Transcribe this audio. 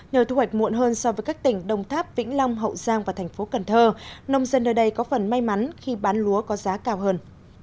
nhờ thu hoạch muộn hơn so với các tỉnh đồng tháp vĩnh long hậu giang và thành phố cần thơ nông dân nơi đây có phần may mắn khi bán lúa có giá cao hơn